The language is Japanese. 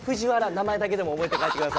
名前だけでも覚えて帰って下さい。